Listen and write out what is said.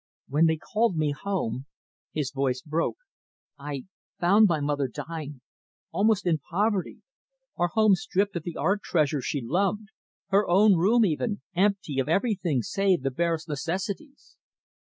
When they called me home, " his voice broke, " I found my mother dying almost in poverty our home stripped of the art treasures she loved her own room, even, empty of everything save the barest necessities."